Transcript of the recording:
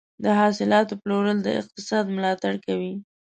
د حاصلاتو پلور د اقتصاد ملاتړ کوي.